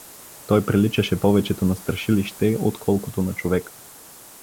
Той приличаше повечето на страшилище, отколкото на човек.